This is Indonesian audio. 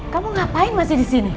kamu ngapain masih disini